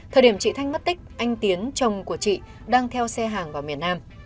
thời điểm chị thanh mất tích anh tiến chồng của chị đang theo xe hàng vào miền nam